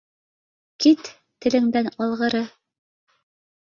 — Кит, телеңдән алғыры.